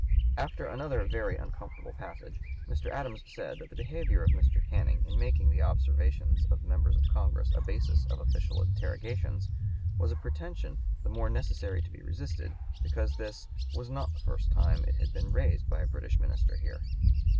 After another very uncomfortable passage, Mr. Adams said that the behavior of Mr. Canning in making the observations of members of Congress a basis of official interrogations was a pretension the more necessary to be resisted because this "'was not the first time it had been raised by a British minister here.'